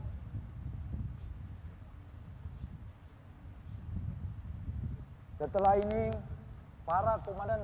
hai setelah ini para komandan